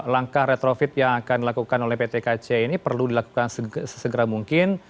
langkah retrofit yang akan dilakukan oleh pt kc ini perlu dilakukan sesegera mungkin